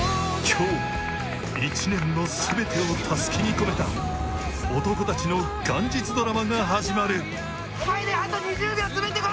今日、１年の全てをたすきに込めた男たちの元日ドラマが始まる。